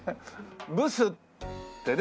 ブスってね